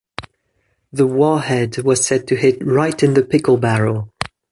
The warhead was said to hit "right in the pickle barrel".